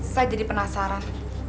saya jadi penasaran